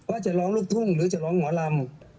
ว่าจะร้องลูกทุ่งหรือจะร้องหมอลำ